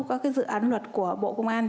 các dự án luật của bộ công an